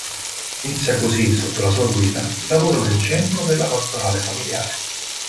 Inizia così sotto la sua guida il lavoro del Centro per la Pastorale Familiare.